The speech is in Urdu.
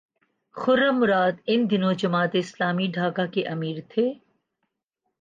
خرم مراد ان دنوں جماعت اسلامی ڈھاکہ کے امیر تھے۔